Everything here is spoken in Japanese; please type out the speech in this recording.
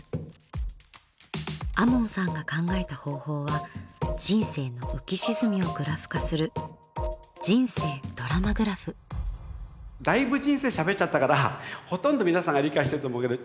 亞門さんが考えた方法は人生の浮き沈みをグラフ化するだいぶ人生しゃべっちゃったからほとんど皆さんが理解してると思うけど。